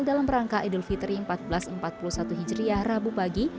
dalam rangka idul fitri seribu empat ratus empat puluh satu hijriah rabu pagi